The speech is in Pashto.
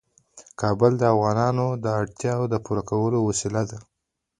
کابل د افغانانو د اړتیاوو د پوره کولو وسیله ده.